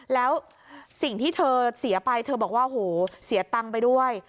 แล้วสิ่งที่เธอเสียไปเธอบอกว่าโหเสียตังค์ไปด้วย